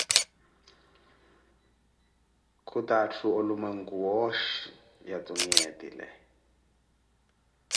Khuta atthu olumweeku wooxhi, ya tuniya etile.